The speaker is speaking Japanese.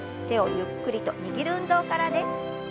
手をゆっくりと握る運動からです。